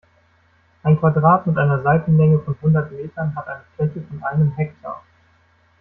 Ein Quadrat mit einer Seitenlänge von hundert Metern hat eine Fläche von einem Hektar.